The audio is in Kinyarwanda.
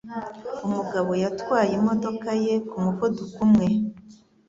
Umugabo yatwaye imodoka ye ku muvuduko umwe.